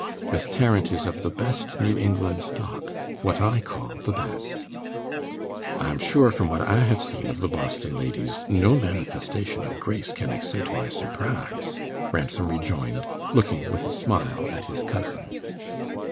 Miss Tarrant is of the best New England stock what I call the best!" "I'm sure from what I have seen of the Boston ladies, no manifestation of grace can excite my surprise," Ransom rejoined, looking, with his smile, at his cousin.